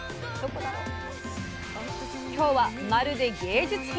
今日はまるで芸術品！